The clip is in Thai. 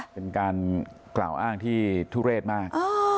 เป็นการกล่าวอ้างที่ทุเรศมาก